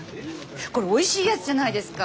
これおいしいやつじゃないですか。